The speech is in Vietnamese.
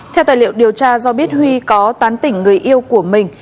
theo tài liệu điều tra do biết huy có tán tỉnh người yêu của mình